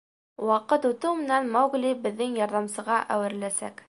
Ваҡыт үтеү менән Маугли беҙҙең ярҙамсыға әүереләсәк.